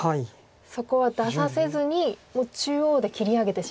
そこは出させずにもう中央で切り上げてしまうと。